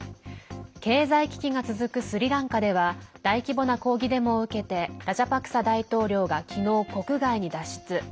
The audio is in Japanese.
経済危機が続くスリランカでは大規模な抗議デモを受けてラジャパクサ大統領がきのう、国外に脱出。